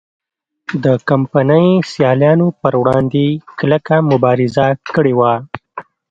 د کمپنۍ سیالانو پر وړاندې کلکه مبارزه کړې وه.